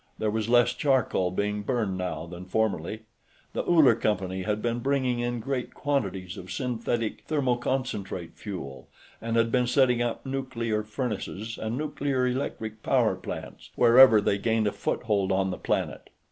There was less charcoal being burned now than formerly; the Uller Company had been bringing in great quantities of synthetic thermoconcentrate fuel, and had been setting up nuclear furnaces and nuclear electric power plants, wherever they gained a foothold on the planet.